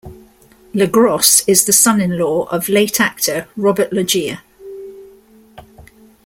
LeGros is the son-in-law of late actor Robert Loggia.